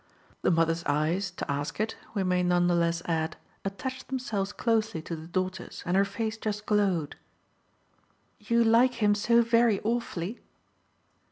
The mother's eyes, to ask it, we may none the less add, attached themselves closely to the daughter's, and her face just glowed. "You like him so very awfully?"